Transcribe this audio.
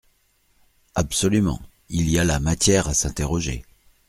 Absolument ! Il y a là matière à s’interroger.